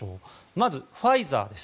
まず、ファイザーです。